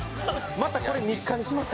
またこれ日課にします